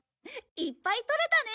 いっぱいとれたね。